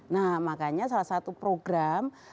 nah makanya salah satu program